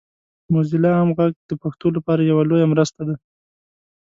موزیلا عام غږ د پښتو لپاره یوه لویه مرسته ده.